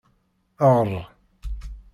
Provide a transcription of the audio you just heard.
Eɣr.